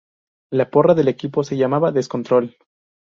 La porra del equipo se llamaba "Descontrol".